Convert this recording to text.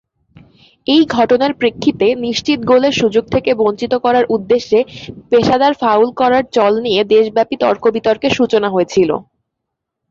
এই ঘটনার প্রেক্ষিতে, নিশ্চিত গোলের সুযোগ থেকে বঞ্চিত করার উদ্দেশ্যে পেশাদার ফাউল করার চল নিয়ে দেশব্যাপী তর্ক-বিতর্কের সূচনা হয়েছিল।